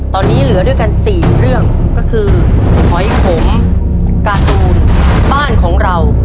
ตอนนี้เหลือด้วยกันสี่เรื่องก็คือหอยขมการ์ตูนบ้านของเรา